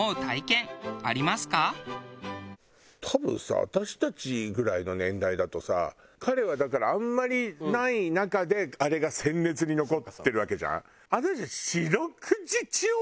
多分さ私たちぐらいの年代だとさ彼はだからあんまりない中であれが鮮烈に残ってるわけじゃん？